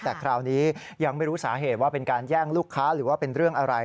แต่คราวนี้ยังไม่รู้สาเหตุว่าเป็นการแย่งลูกค้าหรือว่าเป็นเรื่องอะไร